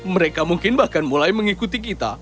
mereka mungkin bahkan mulai mengikuti kita